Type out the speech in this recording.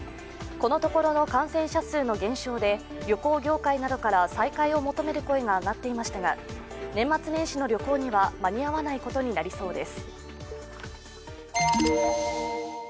このところの感染者数の減少で旅行業界などから再開を求める声が上がっていましたが年末年始の旅行には間に合わないことになりそうです。